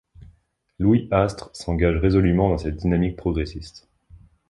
Louis Astre s'engage résolument dans cette dynamique progressiste.